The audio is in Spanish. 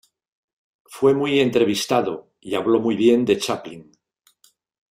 Fue muy entrevistado y habló muy bien de Chaplin.